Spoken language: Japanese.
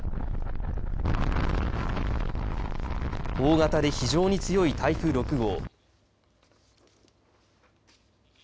大型で非常に強い台風６号。